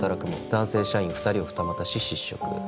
「男性社員二人を二股し失職」